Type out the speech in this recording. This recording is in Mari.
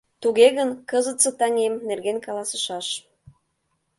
Туге гын, кызытсе «таҥем» нерген каласышаш».